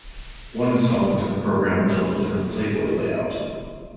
One installment of the program dealt with her "Playboy" layout.